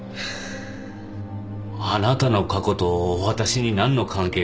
あなたの過去と私に何の関係が？